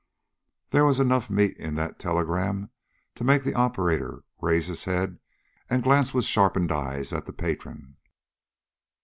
There was enough meat in that telegram to make the operator rise his head and glance with sharpened eyes at the patron.